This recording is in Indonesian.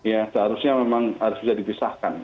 ya seharusnya memang harus bisa dipisahkan